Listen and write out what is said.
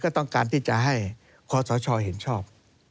ก็ต้องการที่จะให้คอสชเห็นชอบ